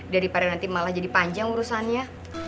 daripada nanti malah jadi panjang urusannya